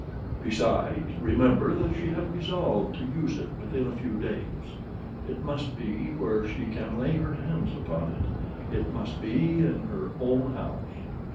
Besides, remember that she had resolved to use it within a few days. It must be where she can lay her hands upon it. It must be in her own house."